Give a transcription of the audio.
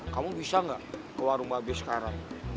kamu bisa gak ke warung babi sekarang